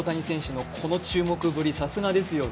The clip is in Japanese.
今田さん、大谷選手のこの注目ぶり、さすがですよね？